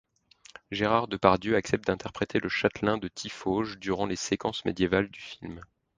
Gérard Depardieu accepte d'interpréter le châtelain de Tiffauges durant les séquences médiévales du film.